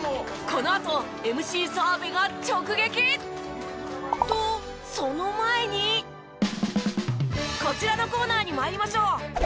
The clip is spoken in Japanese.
このあとＭＣ澤部が直撃！とその前にこちらのコーナーに参りましょう。